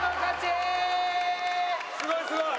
すごいすごい！